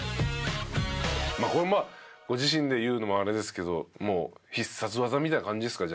これもまあご自身で言うのもあれですけどもう必殺技みたいな感じですか？